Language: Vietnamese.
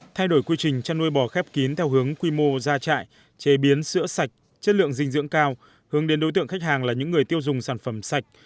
thay đổi quy trình chăn nuôi bò khép kín theo hướng quy mô ra trại chế biến sữa sạch chất lượng dinh dưỡng cao hướng đến đối tượng khách hàng là những người tiêu dùng sản phẩm sạch